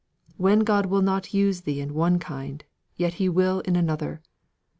When God will not use thee in one kind, yet He will in another.